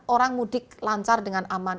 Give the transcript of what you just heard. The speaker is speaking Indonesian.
orang mudik lancar dengan aman